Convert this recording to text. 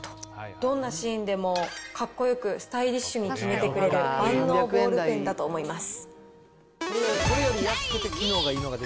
どんなシーンでもかっこよく、スタイリッシュに決めてくれる万能ボールペンだと思います。